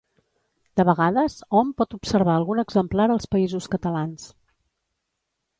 De vegades, hom pot observar algun exemplar als Països Catalans.